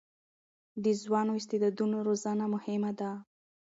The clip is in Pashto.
د ځوانو استعدادونو روزنه مهمه ده.